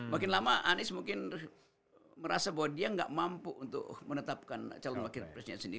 makin lama anies mungkin merasa bahwa dia nggak mampu untuk menetapkan calon wakil presiden sendiri